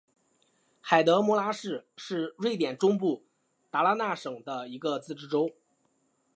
海德穆拉市是瑞典中部达拉纳省的一个自治市。